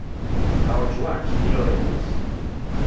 Aoch wat ilore mos